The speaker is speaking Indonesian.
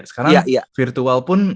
sekarang virtual pun